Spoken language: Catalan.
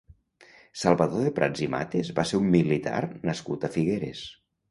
Salvador de Prats i Mates va ser un militar nascut a Figueres.